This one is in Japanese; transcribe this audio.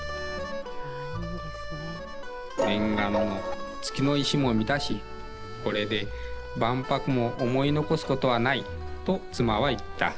念願の月の石も見たし、これで万博も思い残すことはないと妻は言った。